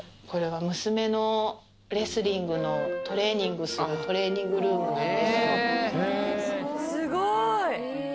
これは娘のレスリングのトレーニングするトレーニングルームなんですよ